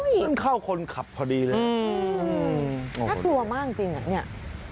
มันเข้าคนขับพอดีเลยน่ากลัวมากจริงอ่ะเนี่ย